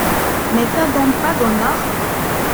Mais t’as donc pas d’honneur ?